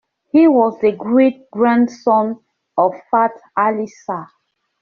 He was the great grandson of Fath Ali Shah.